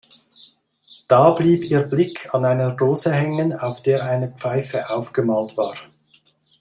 Da blieb ihr Blick an einer Dose hängen, auf der eine Pfeife aufgemalt war.